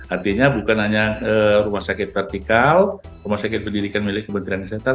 artinya bukan hanya rumah sakit vertikal rumah sakit pendidikan milik kementerian kesehatan